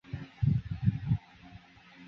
雷诺位于内华达州首府卡森城接壤。